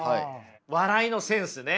笑いのセンスね。